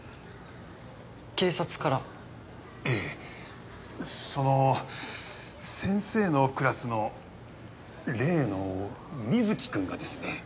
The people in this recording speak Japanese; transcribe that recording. ええその先生のクラスの例の水城君がですね。